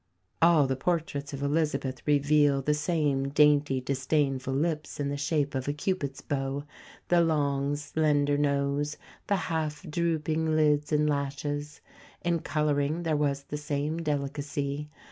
All the portraits of Elizabeth reveal the same dainty disdainful lips in the shape of a Cupid's bow, the long, slender nose, the half drooping lids and lashes. In colouring there was the same delicacy.